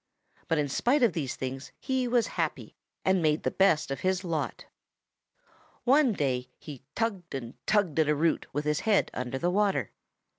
But in spite of these things he was happy and made the best of his lot. "One day he tugged and tugged at a root with his head under water.